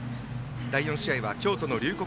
第４試合は京都の龍谷